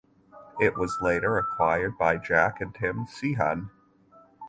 It was later acquired by Jack and Tim Sheehan.